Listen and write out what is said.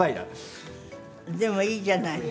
でもいいじゃない。